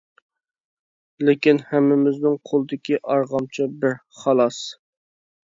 لېكىن ھەممىمىزنىڭ قولىدىكى ئارغامچا بىر، خالاس!